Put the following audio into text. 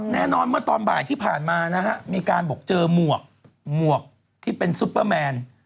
แน่นอนเมื่อตอนบ่ายที่ผ่านมานะฮะมีการบอกเจอหมวกหมวกที่เป็นซุปเปอร์แมน